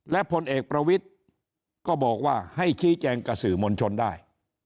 และพลเอกประวิทย์ก็บอกว่าให้ชี้แจงกับสื่อมวลชนได้